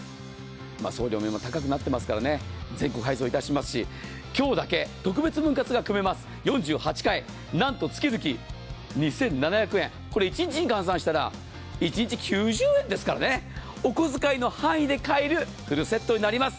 送料も今、高くなっていますからね、全国配送いたしますし、今日だけ特別分割が組めます、４８回、なんと月々２７００円、これ一日に換算したら一日９０円ですからね、お小遣いの範囲で買えるフルセットになります。